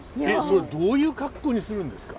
どういう格好にするんですか？